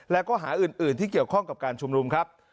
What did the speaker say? และข้อหาอื่นที่เกี่ยวข้องกับการชุมนุมครับ